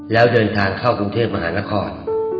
แล้วเดินทางเข้ากรุงเทพมหานคร